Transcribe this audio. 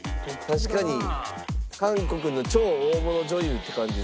確かに韓国の超大物女優って感じですね。